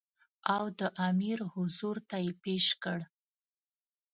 او د امیر حضور ته یې پېش کړ.